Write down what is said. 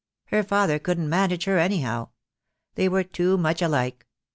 Her father couldn't manage her anyhow. They were too much alike.